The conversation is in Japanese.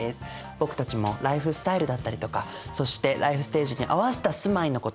僕たちもライフスタイルだったりとかそしてライフステージに合わせた住まいのこと